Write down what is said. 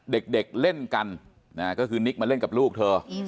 เด็กเล่นกันก็คือนิกมาเล่นกับลูกเธอ